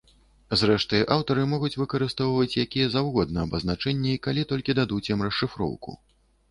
Зрэшты, аўтары могуць выкарыстоўваць якія заўгодна абазначэнні, калі толькі дадуць ім расшыфроўку.